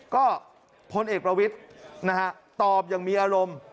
ก็พลเอกประวิทย์นะฮะตอบอย่างมีอารมณ์